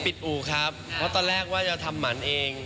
อู่ครับเพราะตอนแรกว่าจะทำหมันเอง